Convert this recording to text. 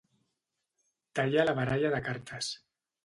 Talla la baralla de cartes.